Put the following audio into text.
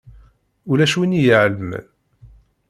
Ulac win i iɛelmen.